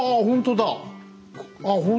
ほんとだ。